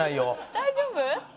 大丈夫？